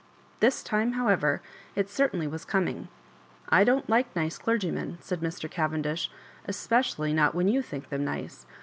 This time, however, it certainly was coming. *'I don't like nice clergymen," said Mr. Cavendish, " especially not when you think them nice.